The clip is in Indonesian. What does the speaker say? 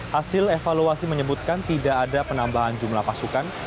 hasil evaluasi menyebutkan tidak ada penambahan jumlah pasukan